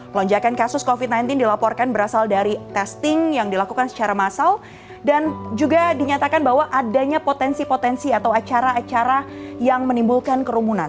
lonjakan kasus covid sembilan belas dilaporkan berasal dari testing yang dilakukan secara massal dan juga dinyatakan bahwa adanya potensi potensi atau acara acara yang menimbulkan kerumunan